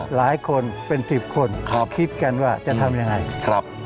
หลายคนเป็น๑๐คนคิดกันว่าจะทำอย่างไร